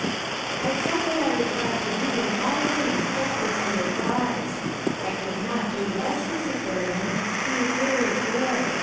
"I said that I would toy to do in all things just as lie advised. I could not do less, Mrs. Bumham; he is very good.